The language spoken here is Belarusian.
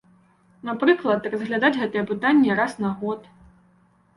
Напрыклад, разглядаць гэтае пытанне раз на год.